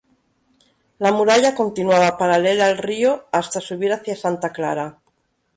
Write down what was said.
La muralla continuaba paralela al río hasta subir hacia Santa Clara.